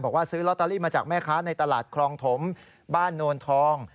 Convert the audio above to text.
ซื้อลอตเตอรี่มาจากแม่ค้าในตลาดครองถมบ้านโนนทอง